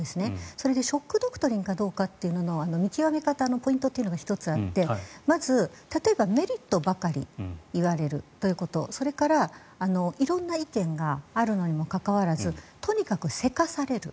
それで、ショック・ドクトリンかどうかというのは見極め方のポイントが１つあってまず、例えば、メリットばかり言われるということそれから色んな意見があるのにもかかわらずとにかくせかされる。